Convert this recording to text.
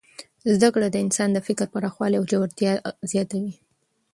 زده کړه د انسان د فکر پراخوالی او ژورتیا زیاتوي.